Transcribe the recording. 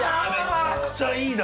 めちゃくちゃいいな！